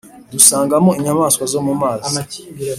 dusangamo inyamaswa zo mu mazi.